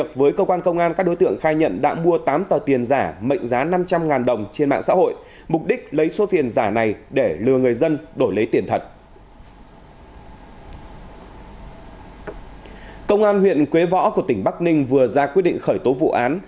công an huyện quế võ của tỉnh bắc ninh vừa ra quyết định khởi tố vụ án